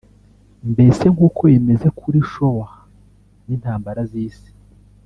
mbese nk’uko bimeze kuri Shoah n’intambara z’isi